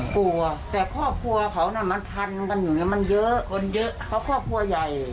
กลัวแต่ครอบครัวเขาน่ะมันพันกันอยู่เนี่ยมันเยอะคนเยอะเพราะครอบครัวใหญ่